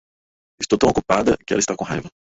Estou tão ocupada que ela está com raiva.